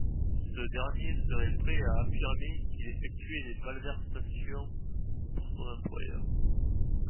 Ce dernier serait prêt à affirmer qu'il effectuait des malversations pour son employeur.